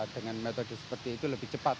dengan metode seperti itu lebih cepat